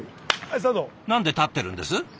なんで立ってるんです？